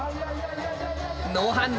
ノーハンド。